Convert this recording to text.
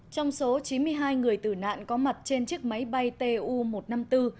trong số chín mươi hai người tử nạn có mặt trên chiếc máy bay tu một trăm năm mươi bốn